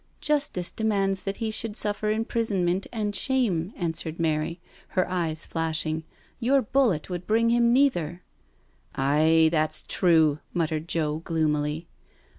' Justice demands that he should suffer imprison jnt and shame," answered Mary, her eyes flashing; your bullet would bring him neither." *'Aye^ that's true I" muttered Joe gloomily.